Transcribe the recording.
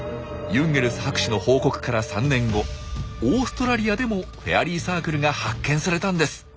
ユンゲルス博士の報告から３年後オーストラリアでもフェアリーサークルが発見されたんです。